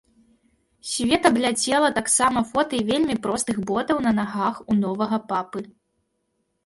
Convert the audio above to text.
Свет абляцела таксама фота вельмі простых ботаў на нагах у новага папы.